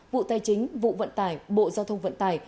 vụ tài chính vụ vận tải bộ giao thông vận tải